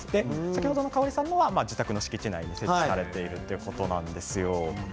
先ほどの香緒里さんは自宅の敷地内に設置されているということです。